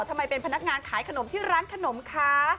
ทำไมเป็นพนักงานขายขนมที่ร้านขนมคะ